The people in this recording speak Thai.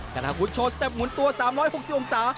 คาทาวุทธ์โชว์สเต็ปหุ่นตัว๓๖๐องศา